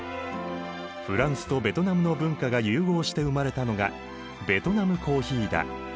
フランスとベトナムの文化が融合して生まれたのがベトナムコーヒーだ。